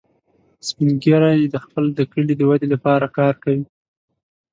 سپین ږیری د خپل کلي د ودې لپاره کار کوي